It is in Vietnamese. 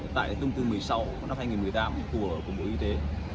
tại thông tư một mươi sáu năm hai nghìn một mươi tám của bộ y tế